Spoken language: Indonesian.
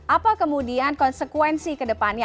apa kemudian konsekuensi kedepannya